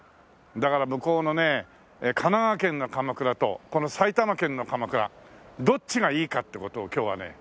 だから向こうのね神奈川県の鎌倉とこの埼玉県の鎌倉どっちがいいかって事を今日はね